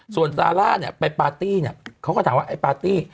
ส่วนซาร่าไปปาตี้เขาก็ถามว่าไอ้ปาตี้